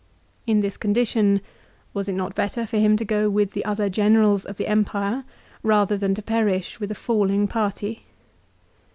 In this condition was it not better for him to go with the other Generals of the Empire rather than to perish with, a falling party?